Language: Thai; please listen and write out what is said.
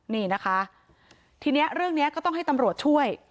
นี่นะคะทีนี้เรื่องนี้ก็ต้องให้ตำรวจช่วย